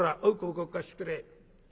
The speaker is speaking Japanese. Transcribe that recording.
広告貸してくれ。